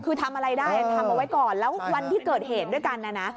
คือทำอะไรได้ทำเอาไว้ก่อนแล้ววันที่เกิดเหตุด้วยกันนะนะ